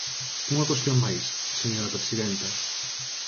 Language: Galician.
Unha cuestión máis, señora presidenta.